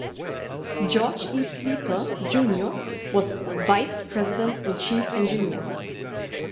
George E. Sleeper, Junior was Vice President and Chief Engineer.